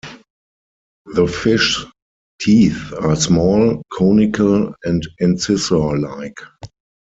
The fish's teeth are small, conical, and incisor-like.